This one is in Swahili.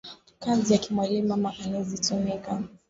Kazi ya ki mwalimu mama anezi tumika